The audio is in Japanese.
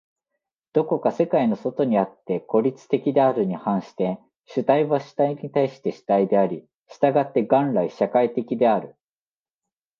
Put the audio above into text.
どこか世界の外にあって孤立的であるに反して、主体は主体に対して主体であり、従って元来社会的である。